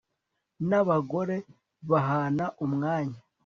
nabagore bahana umwanya